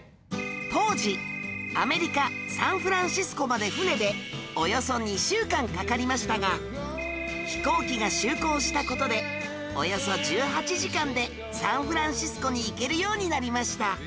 当時アメリカサンフランシスコまで船でおよそ２週間かかりましたが飛行機が就航した事でおよそ１８時間でサンフランシスコに行けるようになりました